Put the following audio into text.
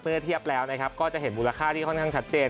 เทียบแล้วก็จะเห็นมูลค่าที่ค่อนข้างชัดเจน